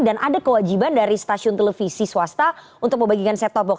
dan ada kewajiban dari stasiun televisi swasta untuk membagikan set top box